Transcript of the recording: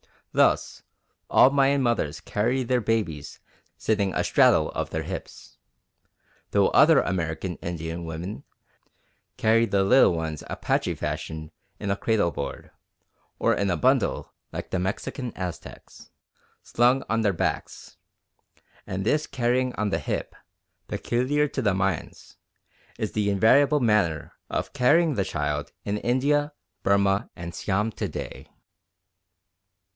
Thus all Mayan mothers carry their babies sitting a straddle of their hips, though other American Indian women carry the little ones Apache fashion in a cradle board, or in a bundle like the Mexican Aztecs, slung on their backs; and this carrying on the hip, peculiar to the Mayans, is the invariable manner of carrying the child in India, Burma and Siam to day.